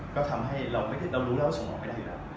ก็ทำให้เรารู้แล้วว่าส่งออกไม่ได้อยู่แล้ว